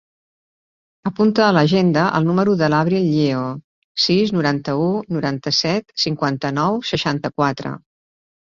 Apunta a l'agenda el número de l'Avril Lleo: sis, noranta-u, noranta-set, cinquanta-nou, seixanta-quatre.